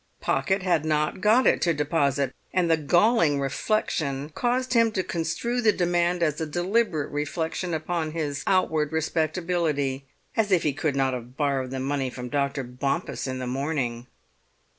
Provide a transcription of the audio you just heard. Pocket had not got it to deposit, and the galling reflection caused him to construe the demand as a deliberate reflection upon his outward respectability—as if he could not have borrowed the money from Dr. Bompas in the morning!